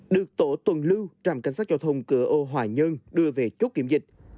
được tổ tuần lưu trạm cảnh sát giao thông cửa ô hòa nhơn đưa về chốt kiểm dịch